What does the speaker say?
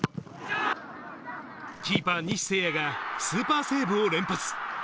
キーパー・西星哉がスーパーセーブを連発。